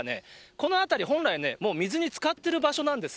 この辺り、本来ね、もう水につかってる場所なんです。